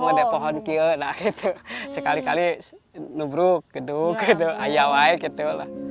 ngeduk pohon kia nah gitu sekali kali nubuk geduk ayawai gitu